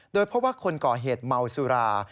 โดยเพราะว่าคนก่อเหตุเมาสุรา